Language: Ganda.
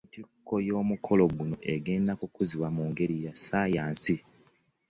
Entikko y'omukolo guno egenda kukuzibwa mu ngeri ya Ssaayansi